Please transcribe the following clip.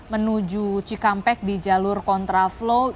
menuju cikampek di jalur kontraflow